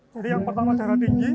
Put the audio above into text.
jadi yang pertama darah tinggi